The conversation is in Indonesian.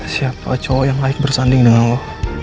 siapa cowok yang baik bersanding dengan lo